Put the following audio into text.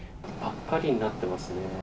赤ばかりになっていますね。